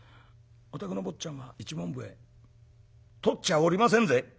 お宅の坊ちゃんは一文笛とっちゃおりませんぜ」。